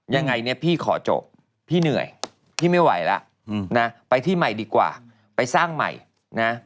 ยังไงเนี่ยพี่ขอจบพี่เหนื่อยพี่ไม่ไหวแล้วนะไปที่ใหม่ดีกว่าไปสร้างใหม่นะ